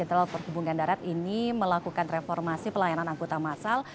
lajaranya adalah perhubungan darat ini melakukan reformasi pelayanan akuta masal